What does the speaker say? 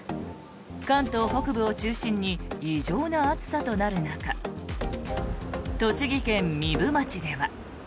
関東北部を中心に異常な暑さとなる中栃木県壬生町では。